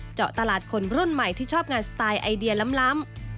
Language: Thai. เจาะตลาดคนรุ่นใหม่ที่ชอบงานสไตล์ไอเดียล้ำ